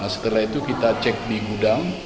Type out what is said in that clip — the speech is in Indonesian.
setelah itu kita cek di gudang